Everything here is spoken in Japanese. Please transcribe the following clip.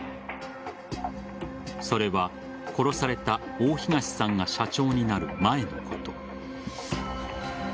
それは殺された大東さんが社長になる前のこと。